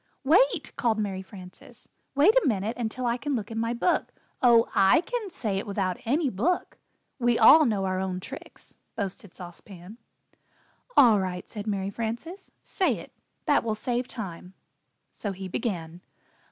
"Wait," called Mary Frances, "wait a minute until I can look in my book " "Oh, I can say it without any book we all know our own tricks," boasted Sauce Pan. "All right," said Mary Frances, "say it that will save time." So he began.